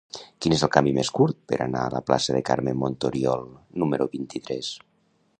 Quin és el camí més curt per anar a la plaça de Carme Montoriol número vint-i-tres?